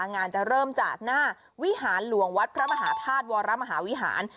จะเริ่มจากหน้าวิหารหลวงวัดพระมหาธาตุวรมหาวิหาร